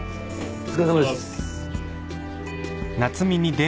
お疲れさまです。